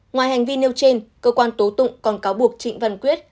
ngoài hành vi nêu trên cơ quan tố tụng còn cáo buộc trịnh văn quyết